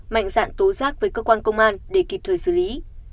mạnh dạng tố giác với cơ quan công an để kịp thời xử lý